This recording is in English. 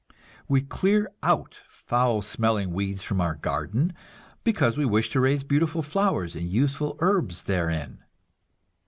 We clear out foul smelling weeds from our garden, because we wish to raise beautiful flowers and useful herbs therein.